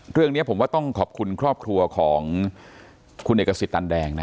เรื่องนี้ผมว่าต้องขอบคุณครอบครัวของคุณเอกสิทธิ์ตันแดงนะ